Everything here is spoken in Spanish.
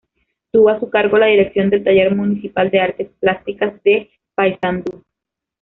Tuvo a su cargo la dirección del Taller Municipal de Artes Plásticas de Paysandú.